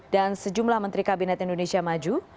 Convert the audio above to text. dan sejumlah menteri kabinet indonesia maju